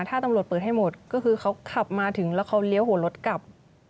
ถ้าตำรวจเปิดให้หมดก็คือเขาขับมาถึงแล้วเขาเลี้ยวหัวรถกลับ